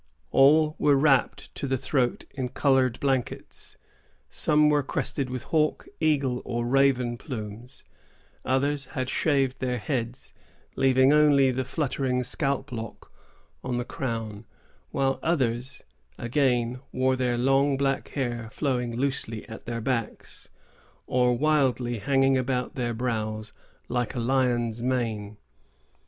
All were wrapped to the throat in colored blankets. Some were crested with hawk, eagle, or raven plumes; others had shaved their heads, leaving only the fluttering scalp lock on the crown; while others, again, wore their long, black hair flowing loosely at their backs, or wildly hanging about their brows like a lion's mane.